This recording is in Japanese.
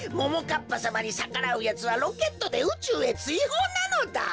かっぱさまにさからうやつはロケットでうちゅうへついほうなのだ！